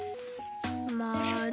まる。